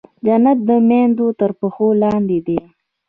جنت د مېندو تر پښو لاندې دی.